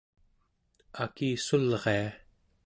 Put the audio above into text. akissulria